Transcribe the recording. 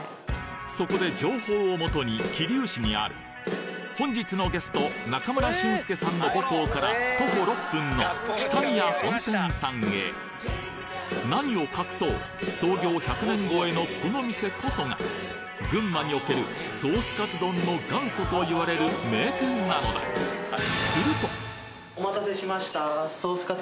そこで情報を元に桐生市にある本日のゲスト中村俊介さんの何を隠そう創業１００年越えのこの店こそが群馬におけるソースカツ丼の元祖と言われる名店なのだお待たせしました。